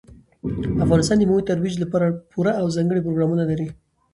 افغانستان د مېوو د ترویج لپاره پوره او ځانګړي پروګرامونه لري.